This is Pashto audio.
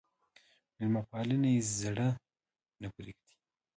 مېلمه پالنه يې زړه نه پرېږدي.